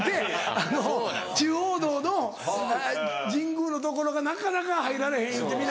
あの中央道の神宮の所がなかなか入られへん言うて皆。